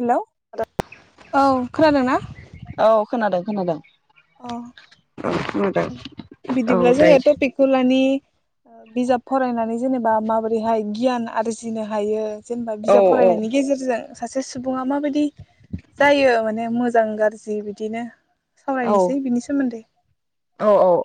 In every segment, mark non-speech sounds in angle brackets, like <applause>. हेल' औ खोनादोंना औ खोनादों खोनादों अ औ खोनादों बिदिब्ला औ जोङो दायो टपिकखौ लानि बिजाब फरायनानै जेनेबा माबोरैहाय गियान आरजिनो हायो जेनेबा औ बिजाब फरायनायनि गेजेरजों सासे सुबुङा माबायदि जायो माने मोजां गाज्रि बिदिनो औ सावरायनोसै बिनि सोमोन्दै औ औ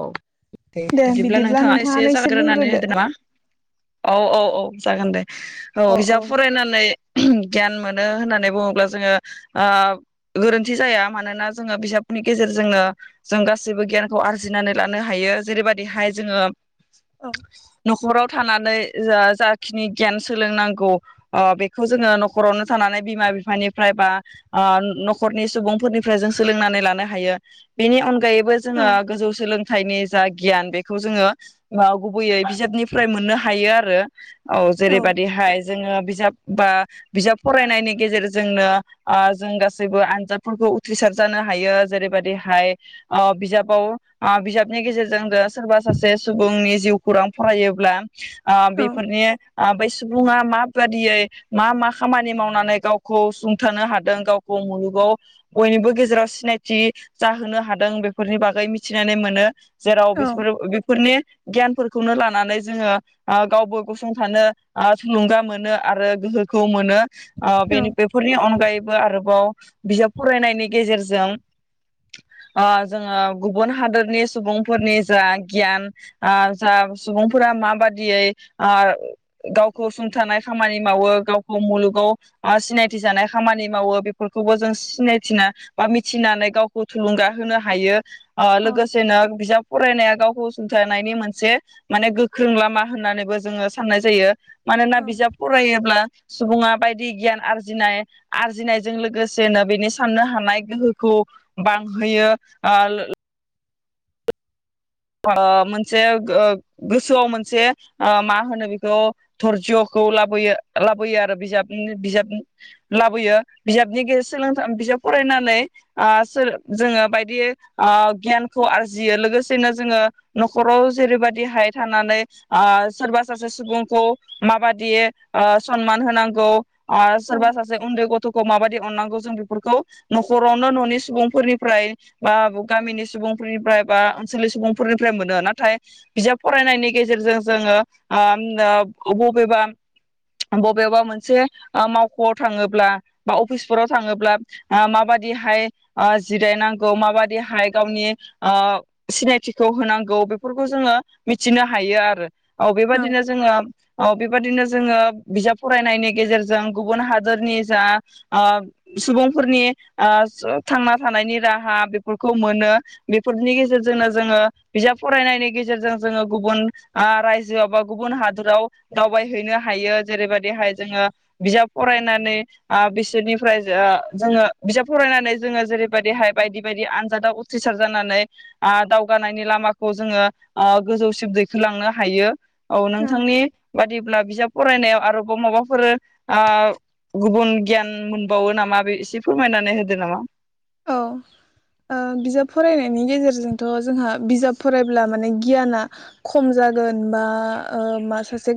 औ दे बिदिब्ला नोंथाङा एसे जागायग्रोनानै होदो नामा औ औ औ जागोन दे औ अ अ बिजाब फरायनानै गियान मोनो होननानै बुङोब्ला जोङो ओ गोरोन्थि जाया मानोना जोङो बिजाबनि गेजेरजोंनो जों गासैबो गियानखौ आरजि जिनानै लानो हायो जेरैबादिहाय जोङो औ न'खराव थानानै जा जाखिनि गियान सोलोंनांगौ ओ बेखौ जोङो न'खरावनो थानानै बिमा बिफानिफ्राय बा ओ न'खरनि सुबुंफोरनिफ्राय जों सोलोंनानै लानो हायो बेनि अन गायैबो औ जोङो गोजौ सोलोंथाइनि जा गियान बेखौ जोङो गुबैयै बिजाबनिफ्राय मोननो हायो आरो। औ जेरैबादिहाय जोङो बिजाब बा बिजाब फरायनायनि गेजेरजोंनो आ जों गासैबो आनजादफोरखौ उथ्रिसार जानो हायो जेरैबादिहाय अ बिजाबाव आ बिजाबनि गेजेरजों जों सोरबा सासे सुबुंनि जिउ खौरां फरायोब्ला आ औ बेफोरनि आ बै सुबुङा माबादियै मा मा खामानि मावनानै गावखौ सुंथानो हादों गावखौ मुलुगाव बयनिबो गेजेराव सिनायथि जाहोनो हादों बेफोरनि बागै मि थिनानै मोनो जेराव औ बिसफोर बेफोरनि गियानफोरखौनो लानानै जोङो ओ गावबो गसंथानो ओ थुलुंगा मोनो आरो गोहोखौ मोनो ओ बे औ बेफोरनि अनगायैबो आरोबाव बिजाब फरायनायनि गेजेरजों ओ जोङो गुबुन हादोरनि सुबुंफोरनि जा गियान आ जा सुबुंफोरा माबादियै आ गावखौ सुंथानाय खामानि मावो गावखौ मुलुगाव सिनायथि जानाय खामानि मावो बेफोरखौबो जों सिनायथिना बा मिथिनानै गावखौ थुलुंगा होनो हायो अ औ लोगोसेेनो बिजाब फरायनाया गावखौ सुंथानायनि मोनसे माने गोख्रों लामा होननानैबो जोङो साननाय जायो। मानोना बिजाब फरायोब्ला सुबुङा बायदि गियान आरजिनाय आरजिनायजों लोगोसेनो बेनि साननो हानाय गोहोखौ बांहोयो आ मोनसे गो गोसोआव मोनसे मा होनो बेखौ धर्जखौ लाबोयो लाबोयो आरो बिजाबनि बिजाब लाबोयो बिजाबनि गेज सोलों बिजाब फरायनानै आ सोर जोङो बायदि ओ गियानखौ आरजियो लोगोसेनो जोङो न'खराव जेरैबायदि हाय थानानै आ सोरबा सासे सुबुंखौ माबादि अ सनमान होनांगौ अ औ सोरबा सासे उन्दै गथ'खौ माबादि अननांगौ जों बेफोरखौ न'खरावनो न'नि सुबुंफोरनिफ्राय बा गामिनि सुबुंफोरनिफ्राय बा ओनसोलनि सुबुं ‌ फोरनिफ्राय मोनो नाथाय बिजाब फरायनायनि गेजेरजों जोङो ओ बबेबा बबेबा मोनसे मावख'आव थाङोब्ला बा अफिसफोराव थाङोब्ला माबादिहाय आ जिरायनांगौ माबादिहाय गावनि अ सिनायथि खौ होनांगौ बेफोरखौ जोङो मिथिनो हायो आर औ बेबादिनो जोङो औ बेबादिनो जोङो बिजाब फरायनायनि गेजेरजों गुबुन हादोरनि जा आ सुबुंफोरनि आ थांना थानायनि राहा बेफोरखौ मोनो बेफोरनि गेजेरजोंनो जोङो बिजाब फरायनायनि गेजेरजों जोङो गुबुन आ रायजोआव बा गुबुन हादराव दावबायहैनो हायो जेरैबादिहाय जोङो बिजाब फरायनानै आ बिसोरनिफ्राय जोङो बिजाब फरायनानै जोङो जेरैबादिहाय बायदि बायदि आनजादाव उथ्रिसार जानानै आ दाव गानायनि लामाखौ जोङो ओ गोजौसिम दैखोलांनो हायो। औ नोंथांनि बादिब्ला बिजाब फरायनायाव आरोबाव माबाफोर ओ गुबुन गियान मोनबावो नामा बे एसे फोरमायनानै होदो नामा औ ओ बिजाब फरायनायनि गेजेरजोंथ' जोंहा बिजाब फरायब्ला माने गियाना खम जागोन बा ओ मा सासे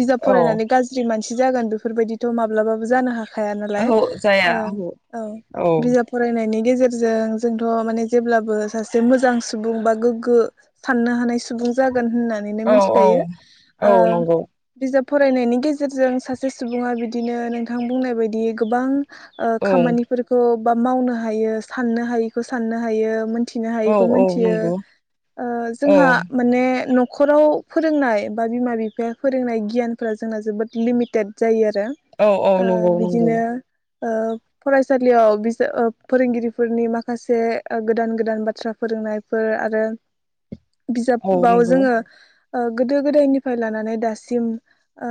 बिजाब औ फरायनानै गाज्रि मान सि जागोन बेफोरबायदिथ' माब्लाबाबो जानो हाखा या नालाय ओहो जाया ओ ओहो औ बिजाब नायनि गेजेरजों जोंथ' माने जेब्लाबो सासे मोजां सुबुं बा गोग्गो साननो हानाय सुबुं जा गोन होननानै औ मिनथिखायो ओ औ नंगौ बिजाब फरायनायनि गेजेरजों सासे सुबुङा बिदिनो नोंथां बुंनाय बायदि गोबां ओ औ खामानिफोरखौ बा मावनो हायो, साननो हायिखौ साननो हायो, मोन थिनो औ हायैखौ औ मिथियो। नंगौ ओ औ जोंहा माने न' खराव फोरोंनाय बा बिमा बिफाया फोरोंनाय गियानफोरा जोंना जोबोद लिमिटेड जायो आरो औ औ ओ नंगौ नंगौ। बिदिनो ओ फरायसालियाव बिस ओ फोरोंगिरिफोरनि माखासे ओ गोदान गोदान बाथ्रा फोरोंनायफोर आरो औ बिजाबाव नंगौ जोङो ओ गोदो गोदायनिफ्राय लानानै दासिम ओ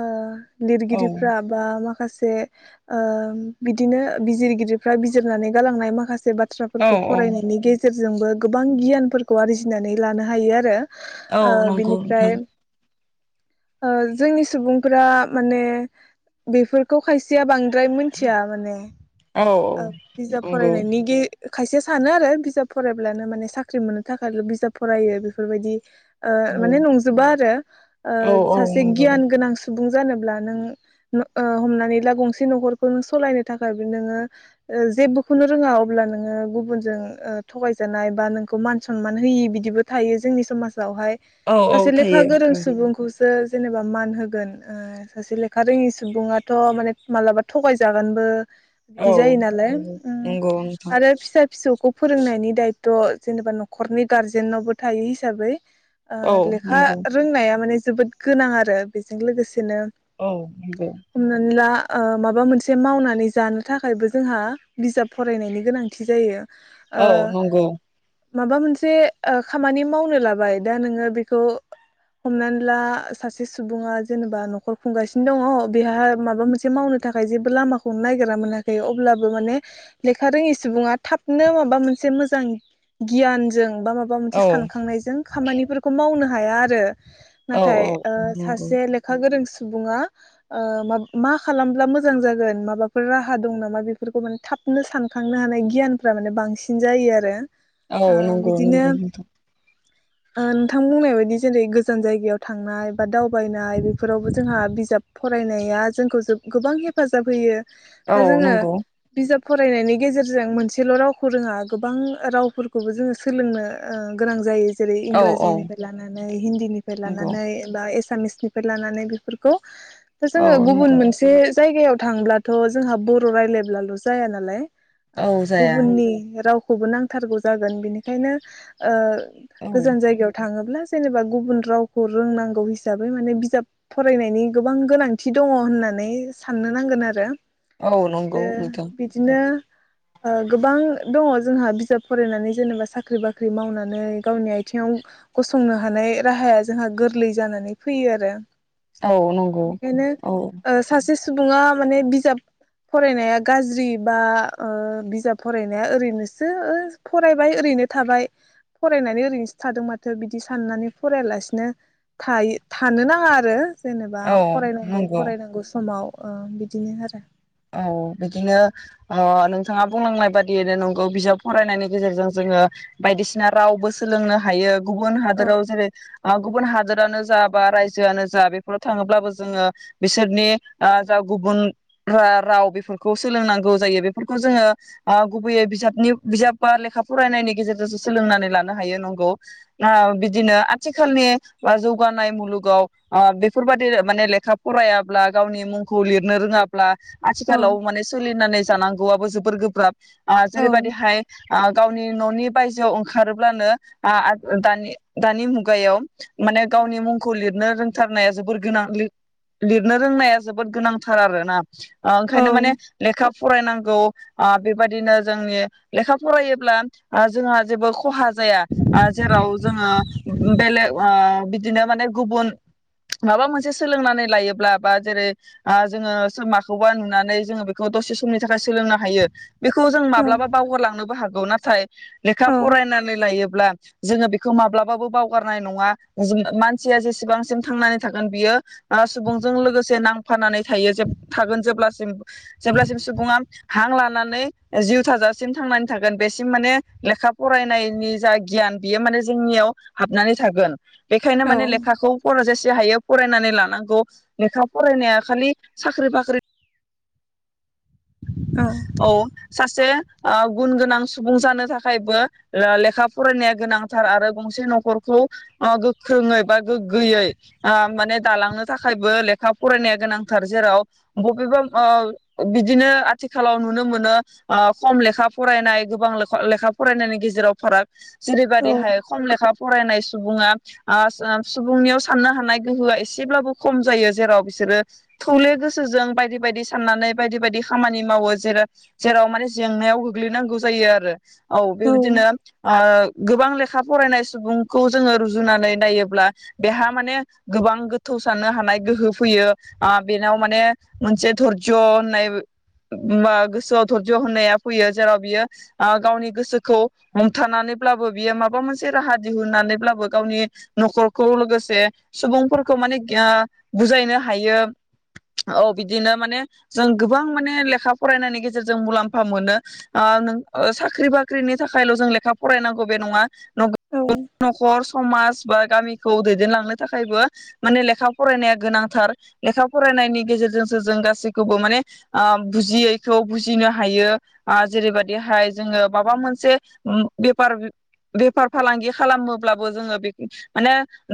औ लिरगिरिफ्रा बा मा खासे ओ बिदिनो बिजिरगिरिफ्रा बिजि जिरनानै गालांनाय माखासे बाथ औ थ्राफोरखौ औ फरायनायनि गेजेरजों जोंबो गोबां गियानफोरखौ आरजिनानै लानो हायो आरो। औ ओ नंगौ बिनिफ्राय नोंथां ओ जोंनि सुबुंफोरा माने बेफोरखौ खायसेया बांद्राय मिथिया माने। औ ओ औ। बिजाब नंगौ फरायनायनि गे खायसे सानो आरो बिजाब फरायब्लानो माने साख्रि मोननो थाखायल' बिजाब फरायो बेफोरबायदि ओ औ माने नंजोबा आरो औ ओ औ सासे नंगौ गियान गोनां सुबुं जानोब्ला नों न ओ हमनानै ला गंसे न'खरखौ नों सलायनो थाखायबो नोङो ओ जेबोखौनो रोङा अब्ला नोङो गुबुनजों ओ थगायजानाय बा नोंखौ मान सनमान होयि बिदिबो थायो जोंनि समाज फ्रावहाय औ औ सासे लेखा थायो गोरों औ सुबुंखौसो सो जेनेबा मान होगोन। ओ सासे लेखा रोङि सुबुङाथ' माने मालाबा थगायजागोनबो औ बिदि जायोना नंगौ ओ नंगौ नोंथां आरो फिसा फिसौ गथ'खौ फोरोंनायनि दायथ' जेनेबा न'खरनि गार्जेनावबो थायो हिसाबै ओ औ लेखा नंगौ रोंनाया माने जोबोद गोनां आरो बेजों लोगोसे बिदिनो औ नंगौ हमनानै ला ओ माबा मोनसे मावनानै जानो थाखायबो जोंहा बिजाब फरायनायनि गोनांथि जायो। ओ औ नंगौ। माबा मोनसे ओ खामानि मावनो लाबाय दा नोङो बेखौ हमनानै ला सासे सुबुङा जेनेबा न'खर खुंगासिनो दङ' बेहा माबा मोनसे मावनो थाखाय जेबो लामाखौ नायगिरना मोनाखै अब्ला ब्लाबो माने लेखा रोङि सुबुङा थाबनो माबा मोनसे मोजां गियानजों आंबा माबा मोनसे औ सखांनायजों खामफोरखौ मावनो हाया आरो औ नाथाय औ ओ नंगौ सासे लेखा गोरों सुबुंङा ओ मा खालामब्ला मोजां जागोन माबाफोर राहा दं नामा बिफो बेफोरखौ माने थाबनो सानखांनो हानाय गियानफ्रा माने बांसिन जायो आरो औ ओ नंगौ बिदिनो नंगौ नोंथां ओ नोंथां बुंनाय बायदि जेरै गोजान जायगायाव थांनाय बा दावबायनाय बेफोरावबो जोंहा बिजाब फरायनाया जोंखौ जोब गोबां हेफाजाब होयो दा औ जोङो नंगौ बिजाब फरायनायनि गेजेरजों मोनसेल' रावखौ रोङा गोबां रावफोरखौबो जोङो सोलोंनो ओ गोनां जायो। जेरै औ औ इंराजिनिफ्राय लानानै हिन्दीनिफ्राय नंगौ लानानै बा एस एसामिसनिफ्राय लानानै बेफोरखौ दा औ जोङो गुबुन नंगौ मोनसे जायगायाव थांब्लाथ' जोंहा बर' रायलायब्ला ल'जाया नालाय औ जाया गुबुननि राव खौबो नांथारगौ जागोन बिनिखायनो ओ औ गोजान जायगायाव थाङोब्ला जेनेबा गुबुन रावखौ रोंनांगौ हिसाबै माने बिजाब फरायनायनि गोबां गोनांथि दङ होननानै साननो नांगोन आरो औ नंगौ आरो नोंथ बिदिनो ओ गोबां दङ जोंहा बिजाब फरायनानै जेनेबा साख्रि बाख्रि मावनानै गावनि आथिङाव गसंनो हानाय राहाया जोंहा गोरलै जानानै फैयो आरो औ नंगौ बेनिखायनो औ ओ सासे सुबुङा माने बिजाब फरायनाया गाज्रि बा ओ बिजाब फरायनाया ओरैनोसो ओ फरायबाय ओरैनो थाबाय फरायनानै ओरैनोसो थादों माथो बिदि साननानै फरायालासिनोायो थायो नाङा आरो जेनेबा औ नंगौ फरायनांगौ-फरायनांगौ समाव अ बिदिनो आरो औ बिदिनो ओ नोंथाङा बुंलांनाय बादियैनो नंगौ बिजाब फरायनायनि गेजेरजों जोङो बायदिसिना रावबो सोलोंनो हायो गुबुन औ हादराव जेरै गुबुन हादोरानो जा बा रायजोआनो जा बेफोराव थाङोब्लाबो जोङो बिसोरनि ओ जा गुबुन बा राव बेफोरखौ सोलोंनांगौ जायो बेफोरखौ जोङो ओ गुबैयै बिजाबनि बिजाब बा लेखा फरायनायनि गेजेरजोंसो सोलोंनानै लानो हायो नंगौ ना बिदिनो आथिखालनि जौगानाय मुलुगाव ओ बेफोरबादि माने लेखा फरायाब्ला गावनि मुंखौ लिरनो रोङा ब्ला औ आथिखालाव माने सोलि नानै जानांगौआबो जोबोर गोब्राब आ औ जेरैबायदि हाय ओ गाव नि न'नि बायजोआव ओंखारोब्लानो आ आ दानि-दानि मुगायाव माने गावनि मुंखौ लिरनो रों थारनाया जोबोर गोनां लिरनो रोंनाया जोबोर गोनांथार आरो ना। <inaudible> औ ओंखायनो माने लेखा फरायनांगौ बेबायदिनो जोंनि लेखा फरायोब्ला जोंहा जेबो खहा जाया जेराव जोङो बेलेग ओ बिदिनो माने गुबुन माबा मोनसे सोलोंनानै लायोब्ला बा जेरै ओ जोङो मा खौबा नुनानै जोङो बेखौ दसे समनि थाखाय सोलोंनो हायो। बेखौ जों माब्लाबा बावहारलांनोबो हा गौ नाथाय लेखा औ फरायनानै लायोब्ला जोङो बेखौ माब्लाबाबो बावगारनाय नङा मानसिया जेसेबांसिम थांनानै थागोन बियो सुबुंजों लोगोसे नांफानानै थायो जे थागोन जेब्लासिम जेब्लासिम सुबुङा हां लानानै जिउ थाजासिम थांनानै थागोन बेसिम माने लेखा फरायनायनि जा गियान बेयो माने जोंनियाव हाबनानै थागोन। बेखायनो औ माने लेखाखौ फर जेसे हायो। फरायनानै लानांगौ लेखा फरायनाया खालि साख्रि बाख्रि ख्रि औ सासे गुन गोनां सुबुं जानो थाखायबो लेखा फरायनाया गोनांथार आरो गंसे न'खरखौ गोख्रोङै बा गोग्गोयै ओ माने दालांनो थाखायबो लेखा फरायनाया गोनांथार जेराव बबेबा ओ बिदिनो आथिखालाव नुनो मोनो खम लेखा फरायनाय गोबां लेखा फरायनायनि गेजेराव फाराग औ जेरैबादिहाय खम लेखा फरायनाय सुबुङा आ सुबुंनियाव साननो हानाय गोहोआ एसेब्लाबो खम जायो जेराव बिसोरो थौले गोसोजों बायदि बायदि साननानै बायदि बायदि खामानि मावो जेर जेराव माने जेंनायाव गोग्लैनांगौ जायो आरो औ बेबायदिनो ओ गोबां लेखा फरायनाय सुबुंखौ जोङो रुजुनानै नायोब्ला बेहा माने गोबां गोथौ साननो हानाय गोहो फैयो ओ बेनाव माने मोनसे धरज्य' होननाय गोसोआव धरज्य' होननाया फैयो जेराव बियो गावनि ओ गोसोखौ हमथानानैब्लाबो बियो माबा मोनसे राहा दिहुननानैब्लाबो गावनि न'खरखौ लोगोसे सुबुंफोरखौ माने ओ बुजायनो हायो औ बिदिनो माने जों गोबां माने लेखा फरायनायनि गेजेरजों मुलाम्फा मोनो ओ नों साख्रि बाख्रिनि थाखायल' जों लेखा फरायनांगौ बे नङा। न'खर समाज बा गामिखौ दैदेनलांनो थाखायबो माने लेखा फरायनाया गोनांथार लेखा फरायनायनि गेजेरजोंसो जों गासैखौबो माने ओ बुजियैखौ बुजिनो हायो ओ जेरैबायाददिहाय जोङो माबा मोनसे बेफार बेफार फालांगि खालामोब्लाबो जोङो बे माने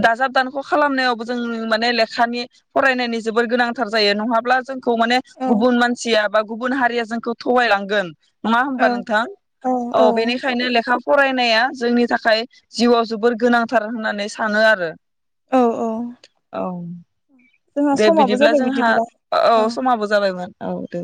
दाजाब दानख' खालामनायावबो जों माने लेखानि फरायनायनि जोबोर गोनांथार जायो नङाब्ला जों खौ गुबुन मान बा गुबुन हारिया जोंखौ थगायलांगोन नङा होनबा औ नोंथां औ बेनिखायनो लेखा फरायनाया जोंनि थाखाय जिउआव जोबोर गोनांथार होननानै सानो आरो। औ औ औ। जोंहा दे समाबो बिदिब्ला जाबाय जोंहा औ समाबो जाबायमोन औ दे।